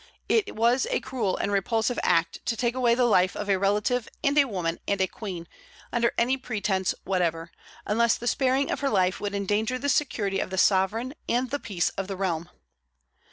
It was a cruel and repulsive act to take away the life of a relative and a woman and a queen, under any pretence whatever, unless the sparing of her life would endanger the security of the sovereign and the peace of the realm.